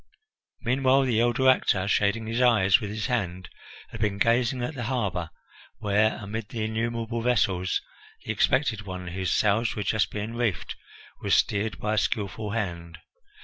Meanwhile the elder actor, shading his eyes with his hand, had been gazing at the harbour, where, amid the innumerable vessels, the expected one, whose sails were just being reefed, was steered by a skilful hand.